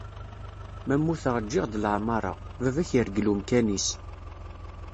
Ma mmuteγ ǧiγ-d leɛmara, baba-k irgel umkan-is.